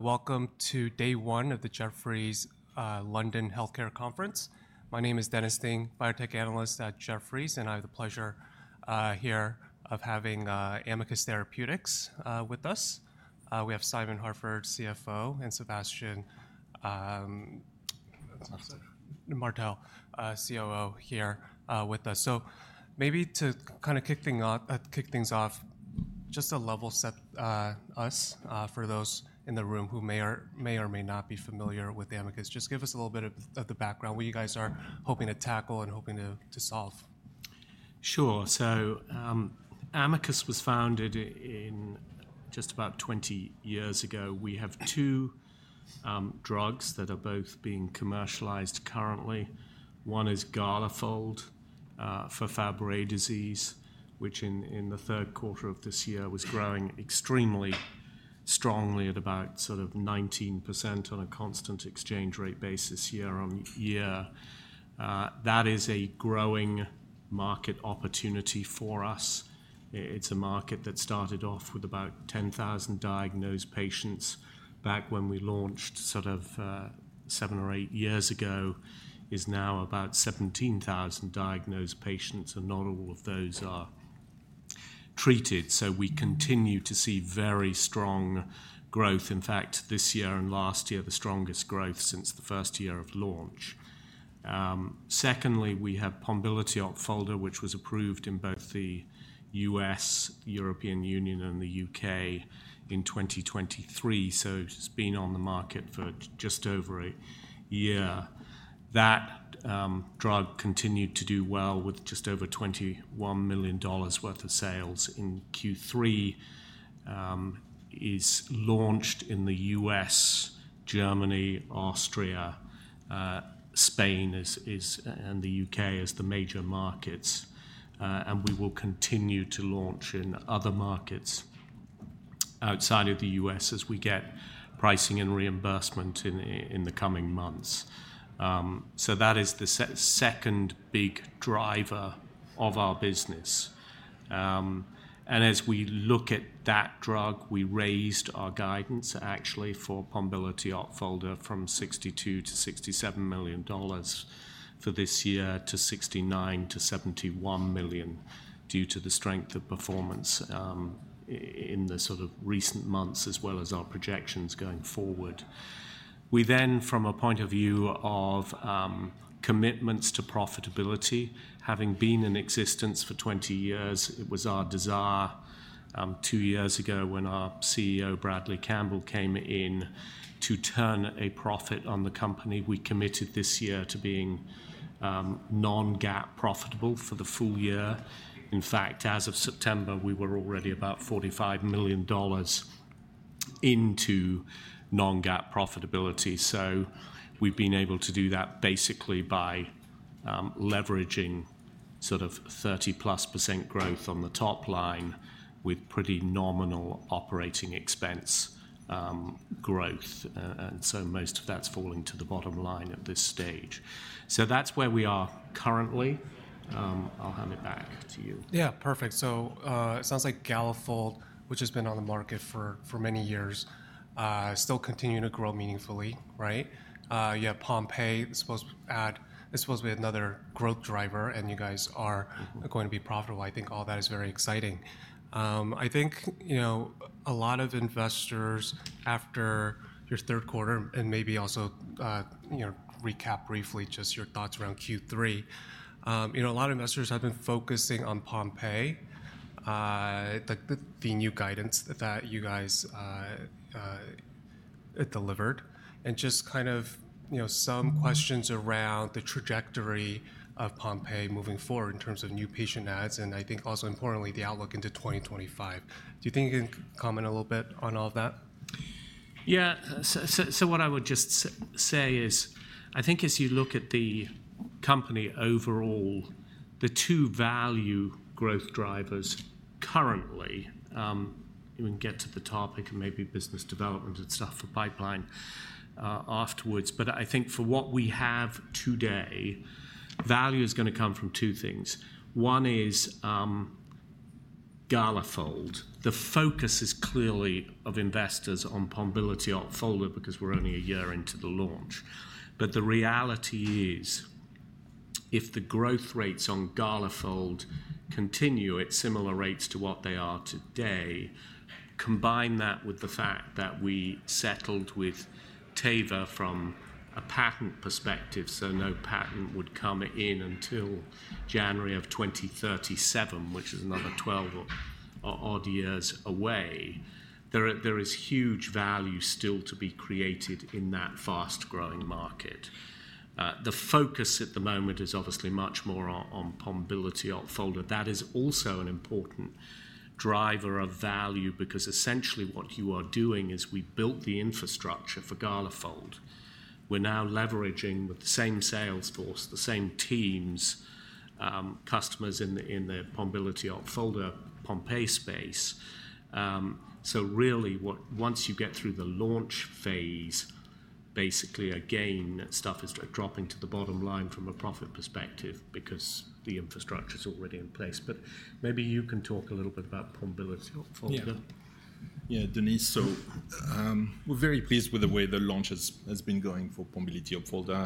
Welcome to day one of the Jefferies London Healthcare Conference. My name is Dennis Ding, biotech analyst at Jefferies, and I have the pleasure here of having Amicus Therapeutics with us. We have Simon Harford, CFO, and Sébastien Martel, COO, here with us. So maybe to kind of kick things off, just to level set us for those in the room who may or may not be familiar with Amicus, just give us a little bit of the background, what you guys are hoping to tackle and hoping to solve. Sure. So Amicus was founded just about 20 years ago. We have two drugs that are both being commercialized currently. One is Galafold for Fabry disease, which in the third quarter of this year was growing extremely strongly at about sort of 19% on a constant exchange rate basis year on year. That is a growing market opportunity for us. It's a market that started off with about 10,000 diagnosed patients back when we launched sort of seven or eight years ago, is now about 17,000 diagnosed patients, and not all of those are treated. So we continue to see very strong growth. In fact, this year and last year, the strongest growth since the first year of launch. Secondly, we have Pombiliti and Opfolda, which was approved in both the U.S., the European Union, and the U.K. in 2023. So it's been on the market for just over a year. That drug continued to do well with just over $21 million worth of sales in Q3 and is launched in the U.S., Germany, Austria, Spain, and the U.K. as the major markets. We will continue to launch in other markets outside of the U.S. as we get pricing and reimbursement in the coming months. That is the second big driver of our business. As we look at that drug, we raised our guidance actually for Pombiliti and Opfolda from $62 million-$67 million for this year to $69 million-$71 million due to the strength of performance in the sort of recent months as well as our projections going forward. We then, from a point of view of commitments to profitability, having been in existence for 20 years, it was our desire two years ago when our CEO, Bradley Campbell, came in to turn a profit on the company. We committed this year to being non-GAAP profitable for the full year. In fact, as of September, we were already about $45 million into non-GAAP profitability. So we've been able to do that basically by leveraging sort of 30-plus% growth on the top line with pretty nominal operating expense growth. And so most of that's falling to the bottom line at this stage. So that's where we are currently. I'll hand it back to you. Yeah, perfect. So it sounds like Galafold, which has been on the market for many years, still continuing to grow meaningfully, right? You have Pompe, supposedly another growth driver, and you guys are going to be profitable. I think all that is very exciting. I think a lot of investors after your third quarter and maybe also recap briefly just your thoughts around Q3, a lot of investors have been focusing on Pompe, the new guidance that you guys delivered, and just kind of some questions around the trajectory of Pompe moving forward in terms of new patient adds, and I think also importantly, the outlook into 2025. Do you think you can comment a little bit on all of that? Yeah. So what I would just say is, I think as you look at the company overall, the two value growth drivers currently, we can get to the topic and maybe business development and stuff for pipeline afterwards. But I think for what we have today, value is going to come from two things. One is Galafold. The focus is clearly of investors on Pombiliti Opfolda because we're only a year into the launch. But the reality is, if the growth rates on Galafold continue, at similar rates to what they are today, combine that with the fact that we settled with Teva from a patent perspective, so no patent would come in until January of 2037, which is another 12-odd years away, there is huge value still to be created in that fast-growing market. The focus at the moment is obviously much more on Pombiliti Opfolda. That is also an important driver of value because essentially what you are doing is we built the infrastructure for Galafold. We're now leveraging with the same sales force, the same teams, customers in the Pombiliti Opfolda Pompe space. So really, once you get through the launch phase, basically again, stuff is dropping to the bottom line from a profit perspective because the infrastructure is already in place. But maybe you can talk a little bit about Pombiliti Opfolda. Yeah, Dennis. So we're very pleased with the way the launch has been going for Pombiliti and Opfolda.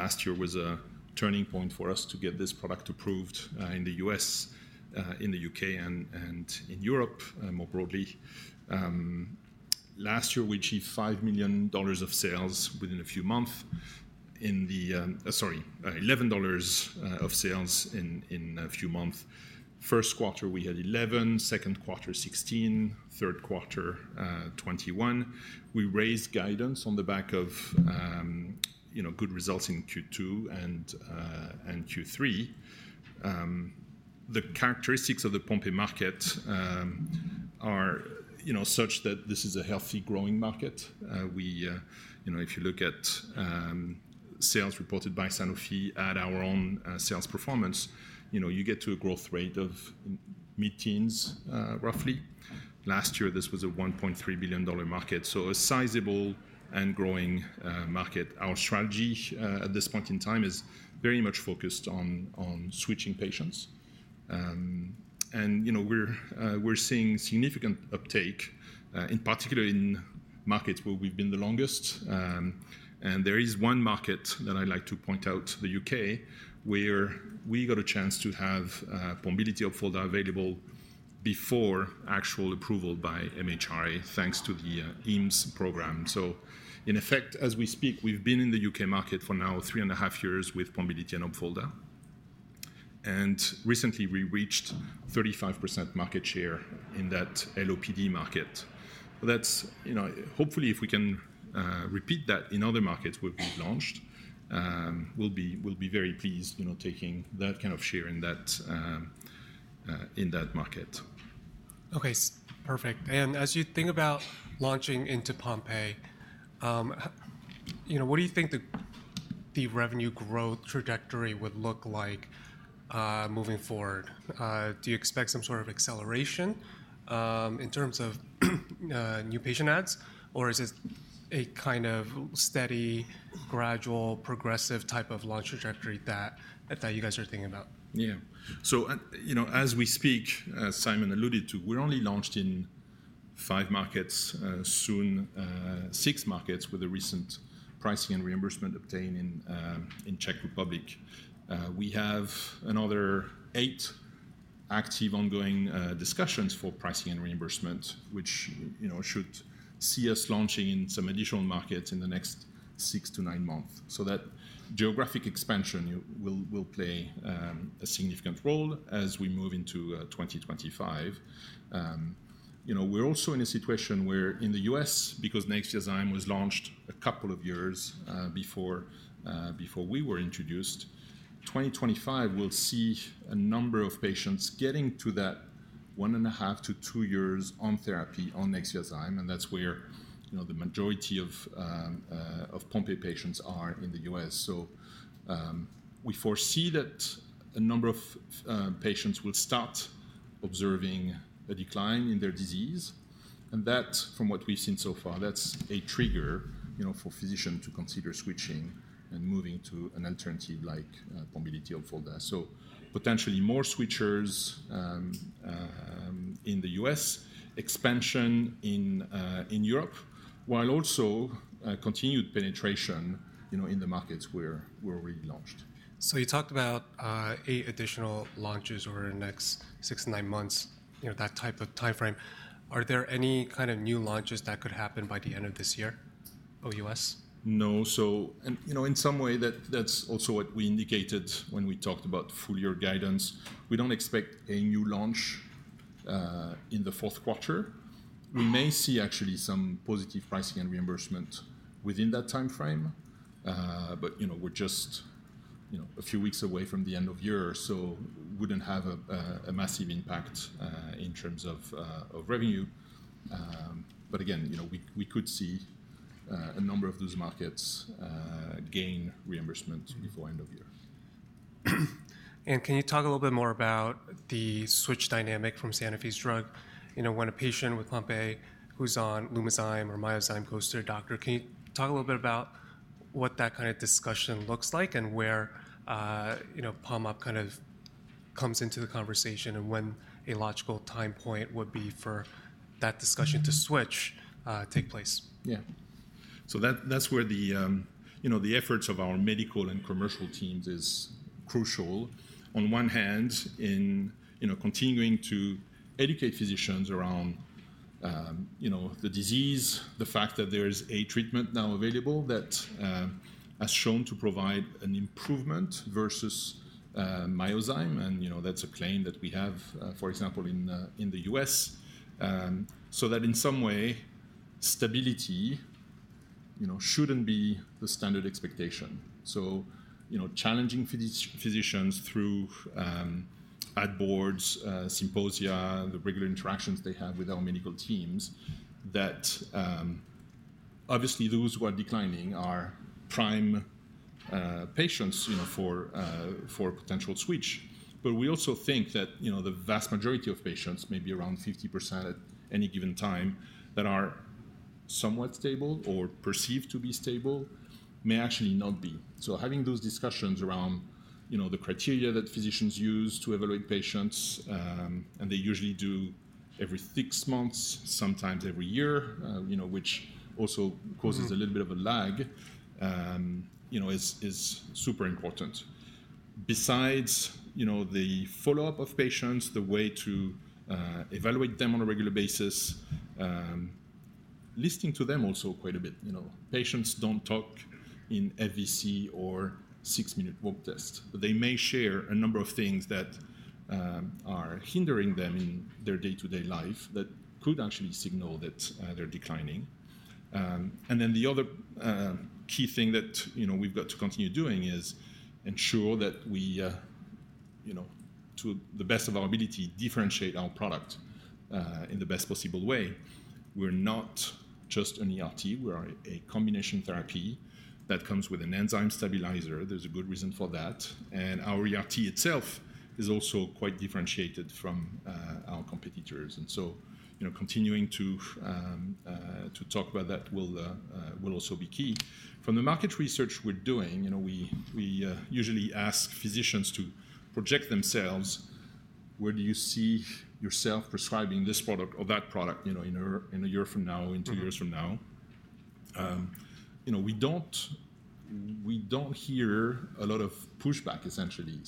Last year was a turning point for us to get this product approved in the U.S., in the U.K., and in Europe more broadly. Last year, we achieved $5 million of sales within a few months, sorry, $11 million of sales in a few months. First quarter, we had 11, second quarter, 16, third quarter, 21. We raised guidance on the back of good results in Q2 and Q3. The characteristics of the Pompe market are such that this is a healthy growing market. If you look at sales reported by Sanofi at our own sales performance, you get to a growth rate of mid-teens roughly. Last year, this was a $1.3 billion market. So a sizable and growing market. Our strategy at this point in time is very much focused on switching patients. We're seeing significant uptake, in particular in markets where we've been the longest. There is one market that I'd like to point out, the U.K., where we got a chance to have Pombiliti and Opfolda available before actual approval by MHRA, thanks to the EAMS program. In effect, as we speak, we've been in the U.K. market for now three and a half years with Pombiliti and Opfolda. Recently, we reached 35% market share in that LOPD market. Hopefully, if we can repeat that in other markets where we've launched, we'll be very pleased taking that kind of share in that market. Okay, perfect. And as you think about launching into Pompe, what do you think the revenue growth trajectory would look like moving forward? Do you expect some sort of acceleration in terms of new patient adds, or is it a kind of steady, gradual, progressive type of launch trajectory that you guys are thinking about? Yeah. So as we speak, as Simon alluded to, we're only launched in five markets, soon six markets with the recent pricing and reimbursement obtained in Czech Republic. We have another eight active ongoing discussions for pricing and reimbursement, which should see us launching in some additional markets in the next six to nine months. So that geographic expansion will play a significant role as we move into 2025. We're also in a situation where in the U.S., because Nexviazyme was launched a couple of years before we were introduced, 2025 will see a number of patients getting to that one and a half to two years on therapy on Nexviazyme. And that's where the majority of Pompe patients are in the U.S. So we foresee that a number of patients will start observing a decline in their disease. And from what we've seen so far, that's a trigger for physicians to consider switching and moving to an alternative like Pombiliti Opfolda. So potentially more switchers in the U.S., expansion in Europe, while also continued penetration in the markets where we're already launched. So you talked about eight additional launches over the next six to nine months, that type of timeframe. Are there any kind of new launches that could happen by the end of this year or U.S.? No, and in some way, that's also what we indicated when we talked about full year guidance. We don't expect a new launch in the fourth quarter. We may see actually some positive pricing and reimbursement within that timeframe, but we're just a few weeks away from the end of year, so we wouldn't have a massive impact in terms of revenue, but again, we could see a number of those markets gain reimbursement before end of year. Can you talk a little bit more about the switch dynamic from Sanofi's drug? When a patient with Pompe who's on Lumizyme or Myozyme goes to a doctor, can you talk a little bit about what that kind of discussion looks like and where Pombiliti kind of comes into the conversation and when a logical time point would be for that switch to take place? Yeah. So that's where the efforts of our medical and commercial teams is crucial. On one hand, in continuing to educate physicians around the disease, the fact that there is a treatment now available that has shown to provide an improvement versus Myozyme, and that's a claim that we have, for example, in the U.S., so that in some way, stability shouldn't be the standard expectation. So challenging physicians through ad boards, symposia, the regular interactions they have with our medical teams, that obviously those who are declining are prime patients for potential switch. But we also think that the vast majority of patients, maybe around 50% at any given time, that are somewhat stable or perceived to be stable may actually not be. So having those discussions around the criteria that physicians use to evaluate patients, and they usually do every six months, sometimes every year, which also causes a little bit of a lag, is super important. Besides the follow-up of patients, the way to evaluate them on a regular basis, listening to them also quite a bit. Patients don't talk in FVC or six-minute walk test. But they may share a number of things that are hindering them in their day-to-day life that could actually signal that they're declining. And then the other key thing that we've got to continue doing is ensure that we, to the best of our ability, differentiate our product in the best possible way. We're not just an ERT. We are a combination therapy that comes with an enzyme stabilizer. There's a good reason for that. Our ERT itself is also quite differentiated from our competitors. Continuing to talk about that will also be key. From the market research we're doing, we usually ask physicians to project themselves, where do you see yourself prescribing this product or that product in a year from now, in two years from now? We don't hear a lot of pushback, essentially.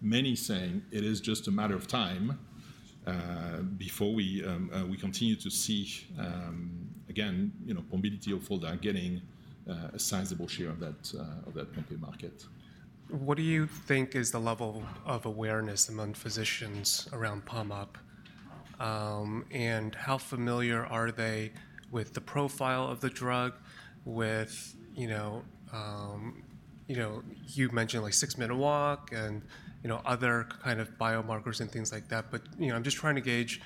Many saying it is just a matter of time before we continue to see, again, Pombiliti and Opfolda getting a sizable share of that Pompe market. What do you think is the level of awareness among physicians around Pombiliti? And how familiar are they with the profile of the drug, with what you mentioned like six-minute walk and other kind of biomarkers and things like that. But I'm just trying to gauge,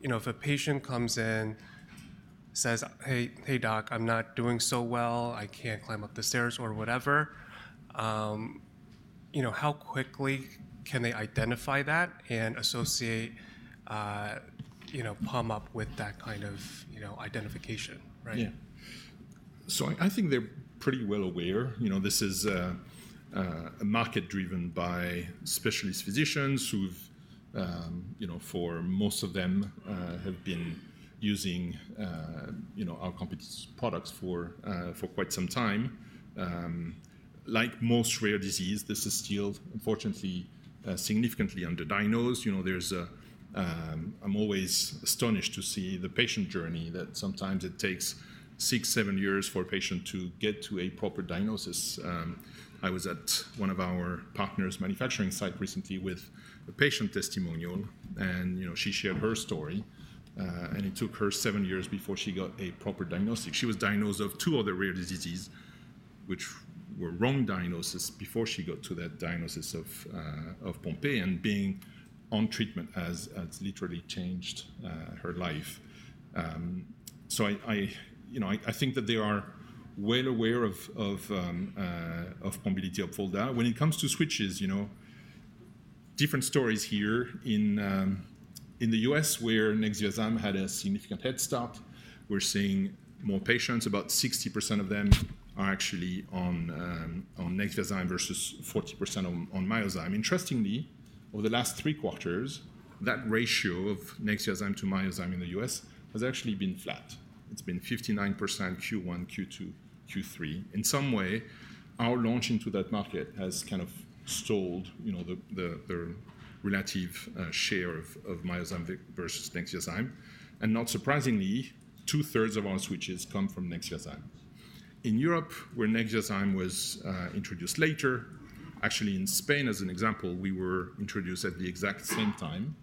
if a patient comes in, says, "Hey, doc, I'm not doing so well. I can't climb up the stairs or whatever," how quickly can they identify that and associate Pombiliti with that kind of identification, right? Yeah. So I think they're pretty well aware. This is a market driven by specialist physicians who've, for most of them, have been using our company's products for quite some time. Like most rare diseases, this is still, unfortunately, significantly underdiagnosed. I'm always astonished to see the patient journey that sometimes it takes six, seven years for a patient to get to a proper diagnosis. I was at one of our partners' manufacturing site recently with a patient testimonial, and she shared her story, and it took her seven years before she got a proper diagnosis. She was diagnosed with two other rare diseases, which were wrong diagnoses before she got to that diagnosis of Pompe, and being on treatment has literally changed her life, so I think that they are well aware of Pombiliti and Opfolda. When it comes to switches, different stories here. In the U.S., where Nexviazyme had a significant head start, we're seeing more patients, about 60% of them are actually on Nexviazyme versus 40% on Myozyme. Interestingly, over the last three quarters, that ratio of Nexviazyme to Myozyme in the U.S. has actually been flat. It's been 59% Q1, Q2, Q3. In some way, our launch into that market has kind of stalled the relative share of Myozyme versus Nexviazyme. And not surprisingly, two-thirds of our switches come from Nexviazyme. In Europe, where Nexviazyme was introduced later, actually in Spain, as an example, we were introduced at the exact same time,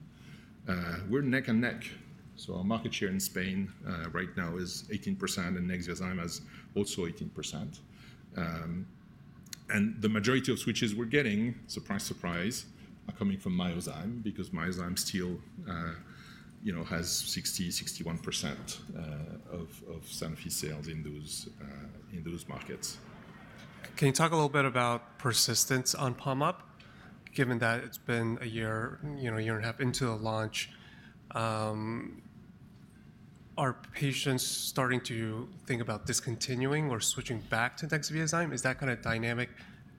we're neck and neck. So our market share in Spain right now is 18%, and Nexviazyme has also 18%. And the majority of switches we're getting, surprise, surprise, are coming from Myozyme because Myozyme still has 60%-61% of Sanofi sales in those markets. Can you talk a little bit about persistence on Pombiliti, given that it's been a year, a year and a half into the launch? Are patients starting to think about discontinuing or switching back to Nexviazyme? Is that kind of dynamic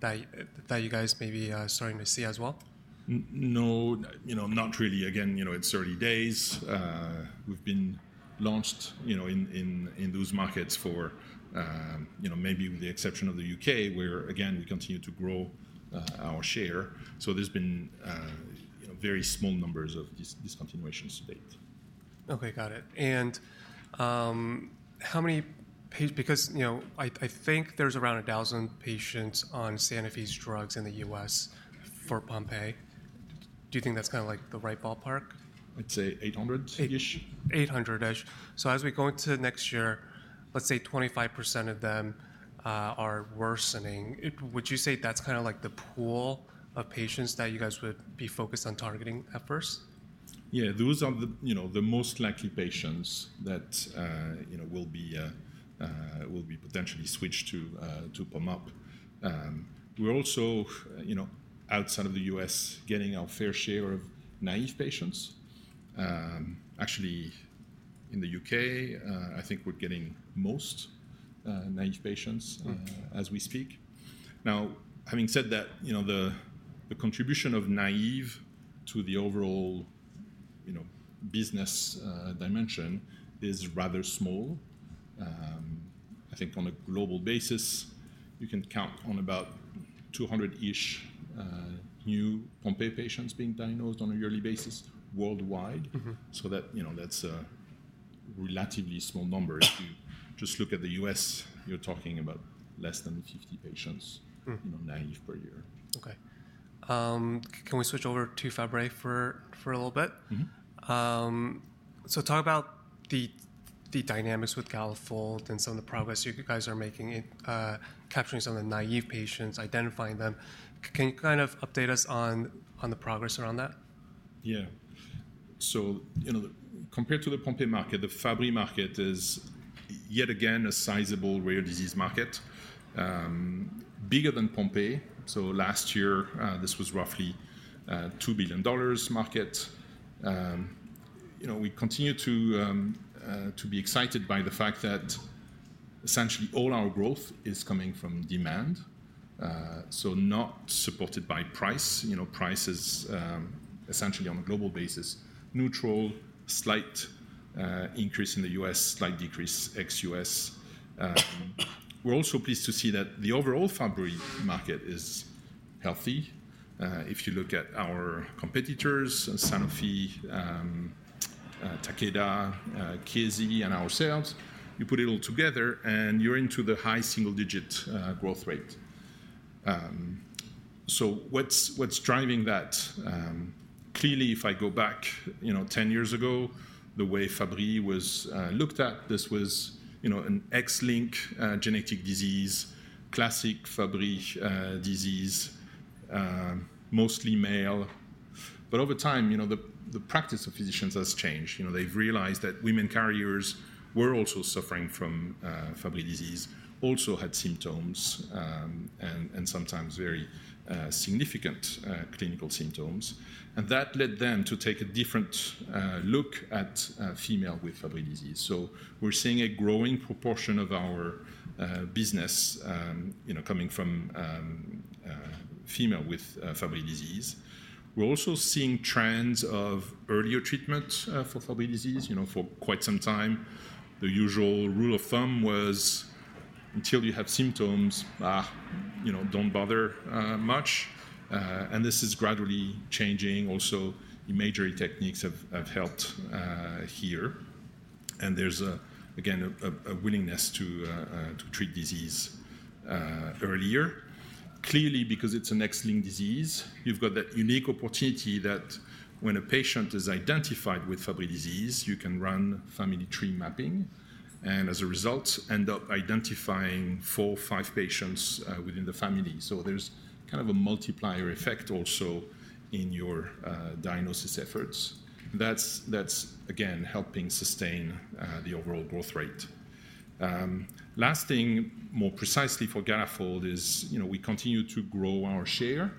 that you guys may be starting to see as well? No, not really. Again, it's early days. We've been launched in those markets for maybe with the exception of the U.K., where, again, we continue to grow our share. So there's been very small numbers of discontinuations to date. Okay, got it. And how many patients? Because I think there's around 1,000 patients on Sanofi's drugs in the U.S. for Pompe. Do you think that's kind of like the right ballpark? I'd say 800-ish. 800-ish. So as we go into next year, let's say 25% of them are worsening. Would you say that's kind of like the pool of patients that you guys would be focused on targeting at first? Yeah, those are the most likely patients that will be potentially switched to Pombiliti. We're also outside of the U.S. getting our fair share of naive patients. Actually, in the U.K., I think we're getting most naive patients as we speak. Now, having said that, the contribution of naive to the overall business dimension is rather small. I think on a global basis, you can count on about 200-ish new Pompe patients being diagnosed on a yearly basis worldwide. So that's a relatively small number. If you just look at the U.S., you're talking about less than 50 patients naive per year. Okay. Can we switch over to Fabry for a little bit? Mm-hmm. So talk about the dynamics with Galafold and some of the progress you guys are making, capturing some of the naive patients, identifying them. Can you kind of update us on the progress around that? Yeah. So compared to the Pompe market, the Fabry market is yet again a sizable rare disease market, bigger than Pompe. So last year, this was roughly $2 billion market. We continue to be excited by the fact that essentially all our growth is coming from demand, so not supported by price. Price is essentially on a global basis, neutral, slight increase in the U.S., slight decrease ex-U.S. We're also pleased to see that the overall Fabry market is healthy. If you look at our competitors, Sanofi, Takeda, Chiesi, and ourselves, you put it all together, and you're into the high single-digit growth rate. So what's driving that? Clearly, if I go back 10 years ago, the way Fabry was looked at, this was an X-linked genetic disease, classic Fabry disease, mostly male. But over time, the practice of physicians has changed. They've realized that women carriers were also suffering from Fabry disease, also had symptoms, and sometimes very significant clinical symptoms. That led them to take a different look at females with Fabry disease. We're seeing a growing proportion of our business coming from females with Fabry disease. We're also seeing trends of earlier treatment for Fabry disease. For quite some time, the usual rule of thumb was until you have symptoms, don't bother much. This is gradually changing. Also, imaging techniques have helped here. There's, again, a willingness to treat disease earlier. Clearly, because it's an X-linked disease, you've got that unique opportunity that when a patient is identified with Fabry disease, you can run family tree mapping, and as a result, end up identifying four or five patients within the family. There's kind of a multiplier effect also in your diagnosis efforts. That's, again, helping sustain the overall growth rate. Last thing, more precisely for Galafold, is we continue to grow our share.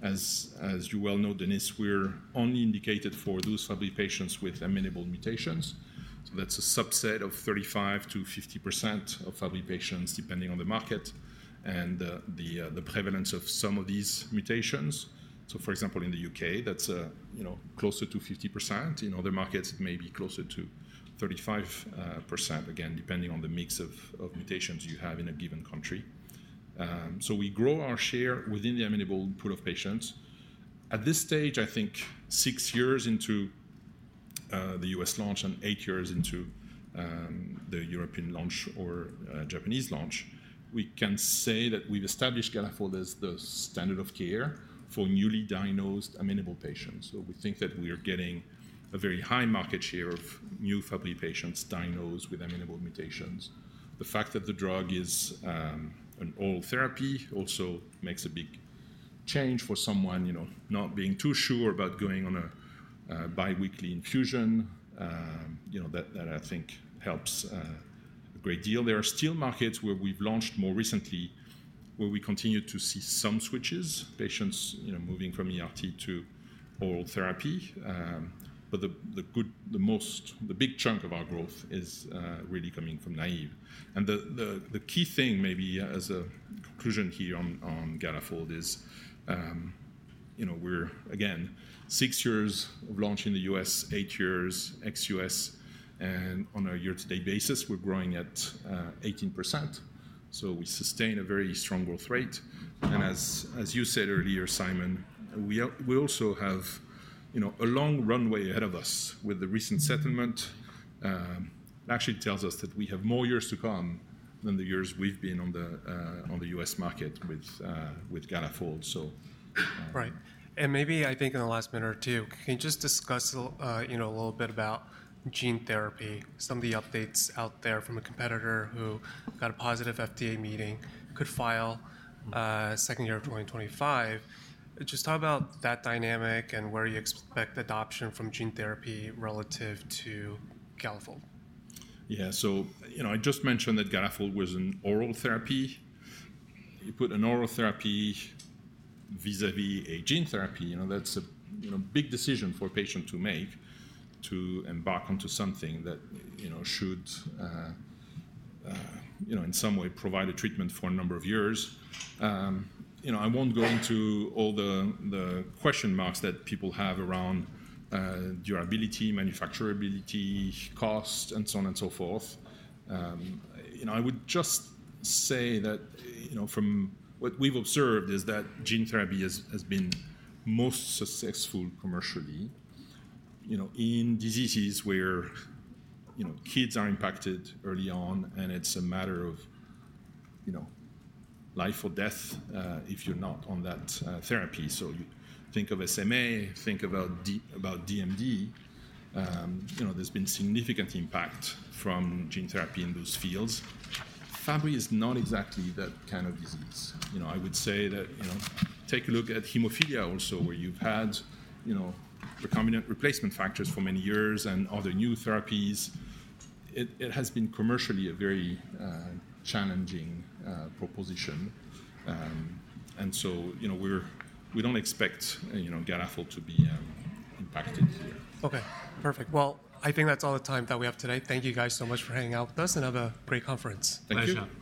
As you well know, Dennis, we're only indicated for those Fabry patients with amenable mutations. So that's a subset of 35%-50% of Fabry patients, depending on the market and the prevalence of some of these mutations. So, for example, in the U.K., that's closer to 50%. In other markets, it may be closer to 35%, again, depending on the mix of mutations you have in a given country. So we grow our share within the amenable pool of patients. At this stage, I think six years into the U.S. launch and eight years into the European launch or Japanese launch, we can say that we've established Galafold as the standard of care for newly diagnosed amenable patients. We think that we are getting a very high market share of new Fabry patients diagnosed with amenable mutations. The fact that the drug is an oral therapy also makes a big change for someone not being too sure about going on a biweekly infusion that I think helps a great deal. There are still markets where we've launched more recently where we continue to see some switches, patients moving from ERT to oral therapy. The big chunk of our growth is really coming from naive. The key thing, maybe as a conclusion here on Galafold, is we're, again, six years of launch in the U.S., eight years ex-U.S. On a year-to-date basis, we're growing at 18%. We sustain a very strong growth rate. As you said earlier, Simon, we also have a long runway ahead of us with the recent settlement. It actually tells us that we have more years to come than the years we've been on the U.S. market with Galafold. Right. And maybe I think in the last minute or two, can you just discuss a little bit about gene therapy, some of the updates out there from a competitor who got a positive FDA meeting, could file second half of 2025? Just talk about that dynamic and where you expect adoption from gene therapy relative to Galafold. Yeah. So I just mentioned that Galafold was an oral therapy. You put an oral therapy vis-à-vis a gene therapy, that's a big decision for a patient to make to embark onto something that should in some way provide a treatment for a number of years. I won't go into all the question marks that people have around durability, manufacturability, cost, and so on and so forth. I would just say that from what we've observed is that gene therapy has been most successful commercially in diseases where kids are impacted early on, and it's a matter of life or death if you're not on that therapy. So think of SMA, think about DMD. There's been significant impact from gene therapy in those fields. Fabry is not exactly that kind of disease. I would say that take a look at hemophilia also, where you've had recombinant replacement factors for many years and other new therapies. It has been commercially a very challenging proposition, and so we don't expect Galafold to be impacted here. Okay. Perfect. Well, I think that's all the time that we have today. Thank you guys so much for hanging out with us, and have a great conference. Thank you.